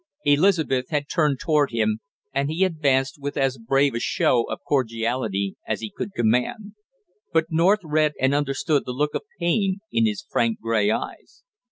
Elizabeth had turned toward him, and he advanced with as brave a show of cordiality as he could command; but North read and understood the look of pain in his frank gray eyes.